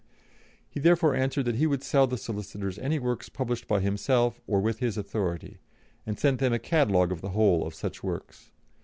He therefore answered that he would sell the solicitors any works published by himself or with his authority, and sent them a catalogue of the whole of such works.